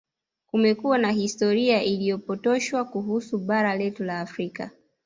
Kumekuwa na historia iliyopotoshwa kuhusu bara letu la Afrika